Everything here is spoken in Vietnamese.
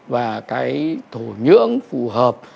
và cái thổ nhưỡng phù hợp